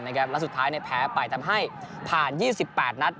และสุดท้ายแพ้ไปทำให้ผ่าน๒๘นัด